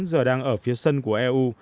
giờ đang ở phía sân của eu